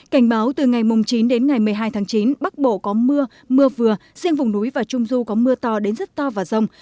cảnh báo từ ngày chín đến ngày một mươi hai tháng chín bắc bộ có mưa mưa vừa riêng vùng núi và trung du có mưa to đến rất to và rông